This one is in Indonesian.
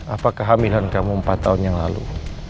apa kehamilan kamu empat tahun yang lalu